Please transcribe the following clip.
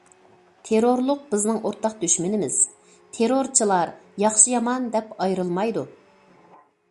تېررورلۇق بىزنىڭ ئورتاق دۈشمىنىمىز، تېررورچىلار ياخشى- يامان دەپ ئايرىلمايدۇ.